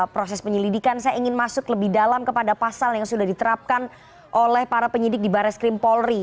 proses penyelidikan saya ingin masuk lebih dalam kepada pasal yang sudah diterapkan oleh para penyidik di baris krim polri